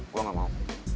gue gak mau